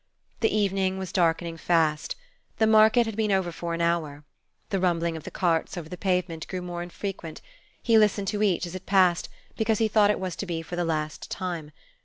The evening was darkening fast. The market had been over for an hour; the rumbling of the carts over the pavement grew more infrequent: he listened to each, as it passed, because he thought it was to be for the last time.